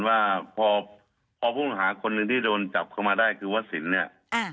ว่าพอผู้หาคนนึงที่โดนจับมาได้คือวัสสินฯเนี่ย